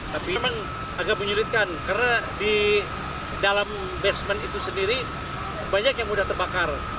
tapi memang agak menyulitkan karena di dalam basement itu sendiri banyak yang mudah terbakar